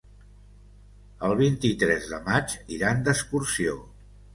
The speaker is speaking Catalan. El vint-i-tres de maig iran d'excursió.